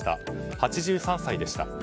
８３歳でした。